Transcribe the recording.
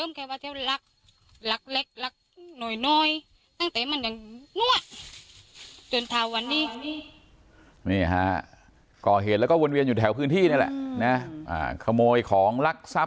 นี่ฮะเกาะเหนือก็วนเวียนอยู่แถวพื้นที่นี่แหละนะอ่าขโมยของรักษัพ